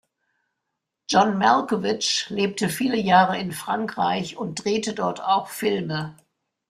John Malkovich lebte viele Jahre in Frankreich und drehte dort auch Filme.